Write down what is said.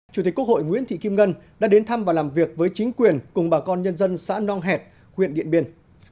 chủ tịch quốc hội nguyễn thị kim ngân đã đến thăm và làm việc với chính quyền cùng bà con nhân dân xã nong hẹt huyện điện biên